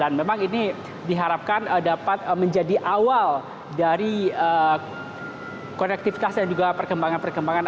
dan memang ini diharapkan dapat menjadi awal dari konektivitas dan juga perkembangan perkembangan